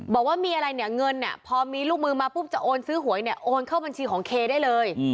บอกว่ามีอะไรเนี่ยเงินเนี่ยพอมีลูกมือมาปุ๊บจะโอนซื้อหวยเนี่ยโอนเข้าบัญชีของเคได้เลย